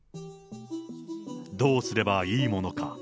どうすればいいものか。